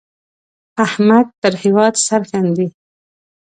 احمد پر هېواد سرښندي.